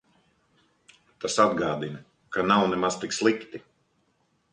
Tas atgādina, ka nav nemaz tik slikti.